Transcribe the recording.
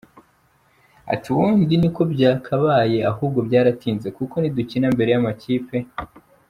Ati “Ubundi ni ko byakabaye ahubwo byaratinze kuko nidukina mbere y’amakipe .